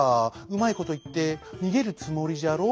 うまいこといってにげるつもりじゃろ」。